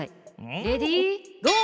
レディーゴー！